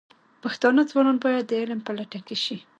پښتانه ځوانان باید د علم په لټه کې شي.